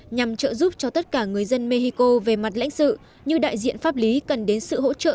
nhằm trợ giúp cho tất cả người dân mexico về mặt lãnh sự như đại diện pháp lý cần đến sự hỗ trợ